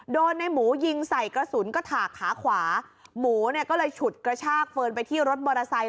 ในหมูยิงใส่กระสุนกระถากขาขวาหมูเนี่ยก็เลยฉุดกระชากเฟิร์นไปที่รถมอเตอร์ไซค